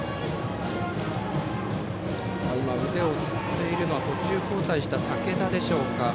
腕をつっているのは途中交代した武田でしょうか。